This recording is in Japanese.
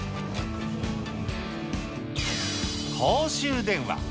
公衆電話。